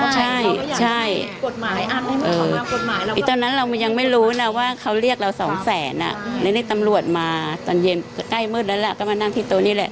ใช่ตอนนั้นเรายังไม่รู้นะว่าเขาเรียกเราสองแสนแล้วนี่ตำรวจมาตอนเย็นก็ใกล้มืดแล้วล่ะก็มานั่งที่โต๊ะนี่แหละ